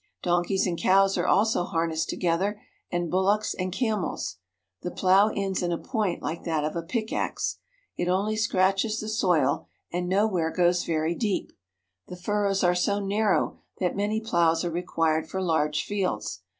Donkeys and cows are also harnessed together, and bullocks and camels. The plough ends in a point like that of a pickaxe. It only scratches the soil, and nowhere goes very deep. The furrows are so narrow that many ploughs are required for large fields.